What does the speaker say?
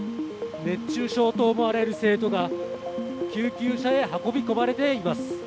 熱中症と思われる生徒が救急車へ運び込まれています。